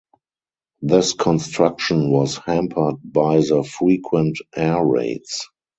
This construction was hampered by the frequent air raids.